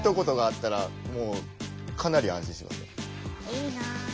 いいな。